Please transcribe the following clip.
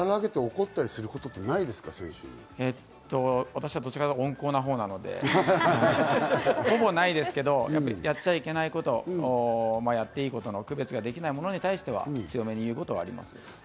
私はどちらかというと温厚なほうなので、ほぼないですけど、やっちゃいけないこと、やっていいことの区別ができないものに対しては強めに言うことはあります。